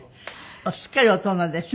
すっかり大人でしょ。